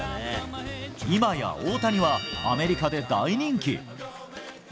今や、大谷はアメリカで大人気。